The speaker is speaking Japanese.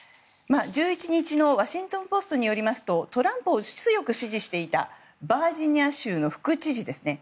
１１日のワシントン・ポストによりますとトランプを強く支持していたバージニア州の副知事ですね。